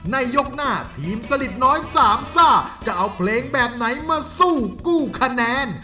ในยกหน้าทีมสลิดน้อยสามซ่าจะเอาเพลงแบบไหนมาสู้กู้คะแนน